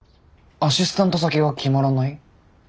アシスタント先が決まらない？